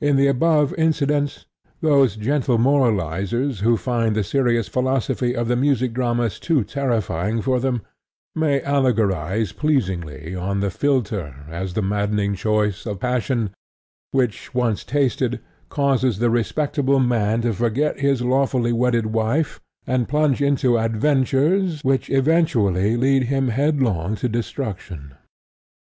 In the above incidents, those gentle moralizers who find the serious philosophy of the music dramas too terrifying for them, may allegorize pleasingly on the philtre as the maddening chalice of passion which, once tasted, causes the respectable man to forget his lawfully wedded wife and plunge into adventures which eventually lead him headlong to destruction.